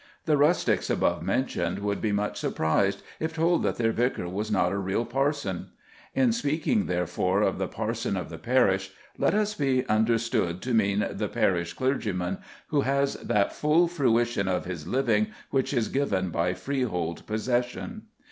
The rustics above mentioned would be much surprised if told that their vicar was not a real parson. In speaking, therefore, of the parson of the parish, let us be understood to mean the parish clergyman, who has that full fruition of his living which is given by freehold possession.